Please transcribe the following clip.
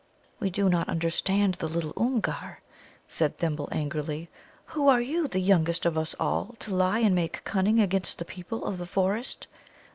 "We do not understand the little Oomgar," said Thimble angrily. "Who are you, the youngest of us all, to lie and make cunning against the people of the forest?